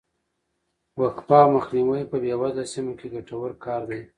وقفه او مخنیوی په بې وزله سیمو کې ګټور کار دی.